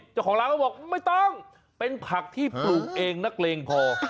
เจ้าของร้านก็บอกไม่ต้องเป็นผักที่ปลูกเองนักเลงพอ